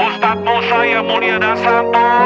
ustazmu saya mulia dasar